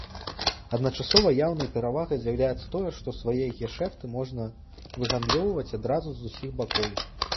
Адначасова яўнай перавагай з'яўляецца тое, што свае гешэфты можна выгандлёўваць адразу з усіх бакоў.